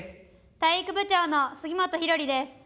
体育部長の杉本敬琉です。